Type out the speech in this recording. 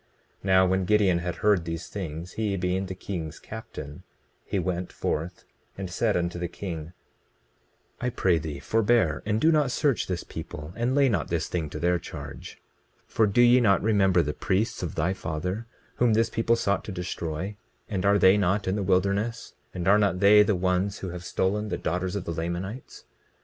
20:17 Now when Gideon had heard these things, he being the king's captain, he went forth and said unto the king: I pray thee forbear, and do not search this people, and lay not this thing to their charge. 20:18 For do ye not remember the priests of thy father, whom this people sought to destroy? And are they not in the wilderness? And are not they the ones who have stolen the daughters of the Lamanites?